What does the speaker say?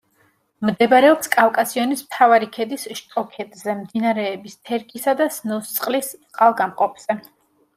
მდებარეობს კავკასიონის მთავარი ქედის შტოქედზე, მდინარეების თერგისა და სნოსწყლის წყალგამყოფზე.